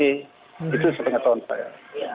itu setengah tahun saya